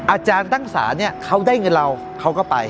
อาจารย์ตั้งศาลเนี่ยเขาได้เงินเราเขาก็ไป